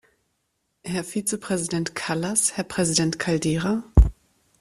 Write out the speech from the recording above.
Herr Vizepräsident Kallas, Herr Präsident Caldeira!